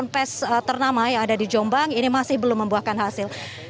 pes ternama yang ada di jombang ini masih belum membuahkan hasil